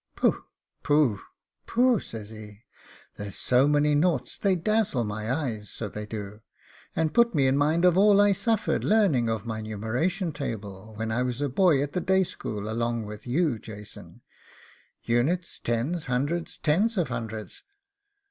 'Pooh! pooh! pooh!' says he. 'Here's so many noughts they dazzle my eyes, so they do, and put me in mind of all I suffered larning of my numeration table, when I was a boy at the day school along with you, Jason units, tens, hundreds, tens of hundreds.